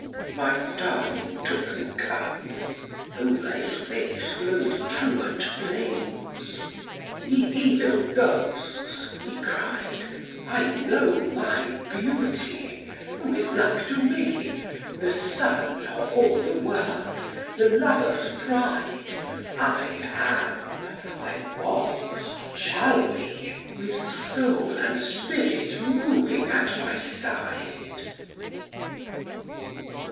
My darling took the cup : over his face Flowed truant flames. " Ye evil ghosts," he cried, " I know my beauty : who is like to me ? The sun of all the world, the Lover's pride, I am, I was, shall be With soul and spirit moving at my side."